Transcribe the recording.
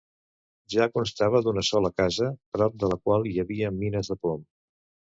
Ja constava d'una sola casa, prop de la qual hi havia mines de plom.